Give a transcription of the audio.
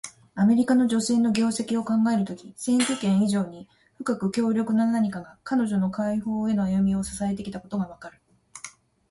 アメリカの女性の業績を考えるとき、選挙権以上に深く強力な何かが、彼女の解放への歩みを支えてきたことがわかる。